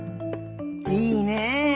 いいね。